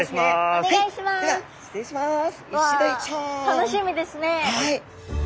楽しみですね。